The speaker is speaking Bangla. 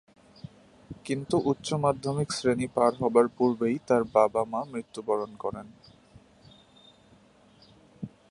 কিন্তু উচ্চ মাধ্যমিক শ্রেণী পার হবার পূর্বেই তার বাবা-মা মৃত্যুবরণ করেন।